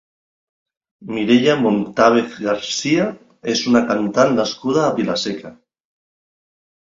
Mireia Montávez García és una cantant nascuda a Vila-seca.